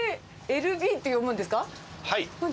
はい。